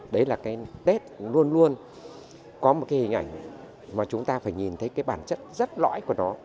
đấy là cái tết luôn luôn có một cái hình ảnh mà chúng ta phải nhìn thấy cái bản chất rất lõi của nó